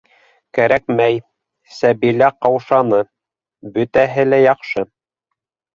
Кәрәкмәй, - Сәбилә ҡаушаны, - бөтәһе лә яҡшы...